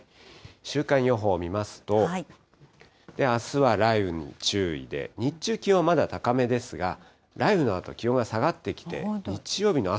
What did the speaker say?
週間予報見ますと、あすは雷雨に注意で、日中、気温はまだ高めですが、雷雨のあと気温が下がってきて、日曜日の朝。